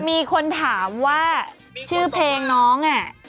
มีคนถามว่าชื่อเพลงน้องอ่ะ